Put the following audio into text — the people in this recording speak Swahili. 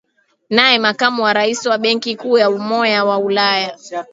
naye makamu wa rais wa benki kuu ya umoja wa ulaya